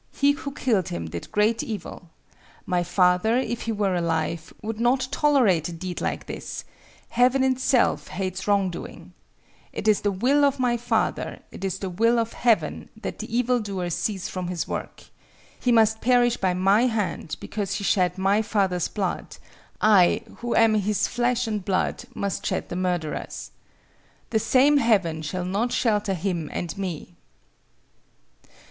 He who killed him did great evil. My father, if he were alive, would not tolerate a deed like this: Heaven itself hates wrong doing. It is the will of my father; it is the will of Heaven that the evil doer cease from his work. He must perish by my hand; because he shed my father's blood, I, who am his flesh and blood, must shed the murderer's. The same Heaven shall not shelter him and me."